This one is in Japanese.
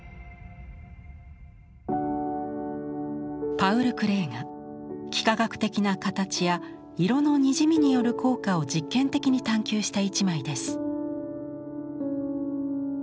パウル・クレーが幾何学的な形や色のにじみによる効果を実験的に探求した一枚です。